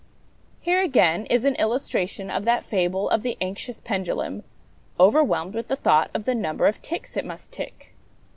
Here, again, is an illustration of that fable of the anxious pendulum, overwhelmed with the thought of the number of ticks it must tick.